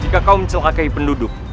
jika kau mencelakai penduduk